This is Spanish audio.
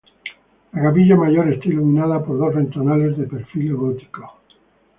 La capilla mayor está iluminada por dos ventanales de perfil gótico.